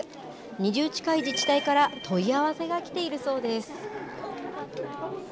２０近い自治体から問い合わせがきているそうです。